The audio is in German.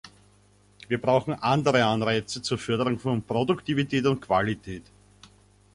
Wir brauchen andere Anreize zur Förderung von Produktivität und Qualität.